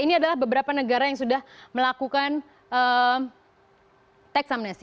ini adalah beberapa negara yang sudah melakukan teks amnesti